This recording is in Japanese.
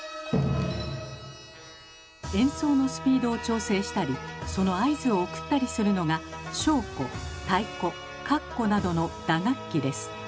演奏のスピードを調整したりその合図を送ったりするのがなどの打楽器です。